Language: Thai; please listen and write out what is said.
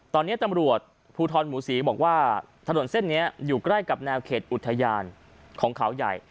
ตอนนี้ตำรวจภูทรหมูศรีบอกว่าถนนเส้นนี้อยู่ใกล้กับแนวเขตอุทยานของเขาใหญ่